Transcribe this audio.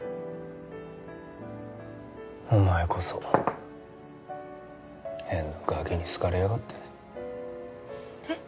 お前こそ変なガキに好かれやがってえっ？